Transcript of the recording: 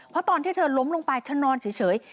เพราะตอนที่เธอล้มลงไปเธอนอนเฉย